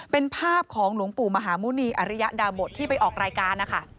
เป็นภาพของหลวงปู่มหาหมุณีอริยดาบทที่ไปออกรายการนะคะ